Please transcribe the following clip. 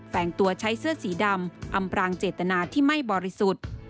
แงงตัวใช้เสื้อสีดำอำพรางเจตนาที่ไม่บริสุทธิ์